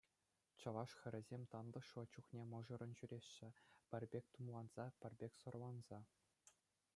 Чӑваш хӗрӗсем тантӑшлӑ чухне мӑшӑррӑн ҫӳреҫҫӗ, пӗр пек тумланса, пӗр пек сӑрланса.